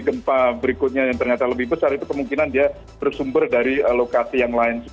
gempa berikutnya yang ternyata lebih besar itu kemungkinan dia bersumber dari lokasi yang lain